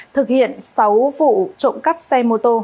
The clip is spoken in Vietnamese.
thực hiện sáu vụ trộm cắp xe mô tô